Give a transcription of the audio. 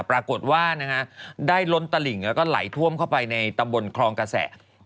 ปรากฏว่าได้ล้นตลิ่งแล้วก็ไหลท่วมเข้าไปในตำบลคลองกระแส